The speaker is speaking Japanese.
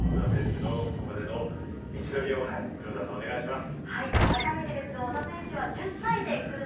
小田選手のここまでの道のりを黒田さん、お願いします。